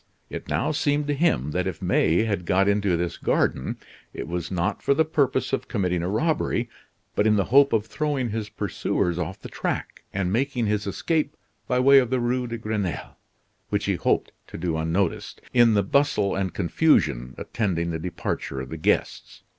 It now seemed to him that if May had got into this garden, it was not for the purpose of committing a robbery, but in the hope of throwing his pursuers off the track, and making his escape by way of the Rue de Grenelle, which he hoped to do unnoticed, in the bustle and confusion attending the departure of the guests.